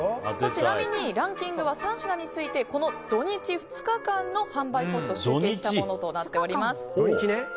ちなみにランキングは３品についてこの土日２日間の販売個数を集計したものとなっています。